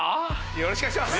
よろしくお願いします。